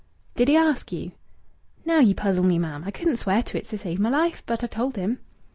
"Did he ask you?" "Now ye puzzle me, ma'am! I couldn't swear to it to save my life. But I told him."